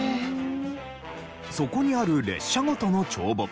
そこにある列車ごとの帳簿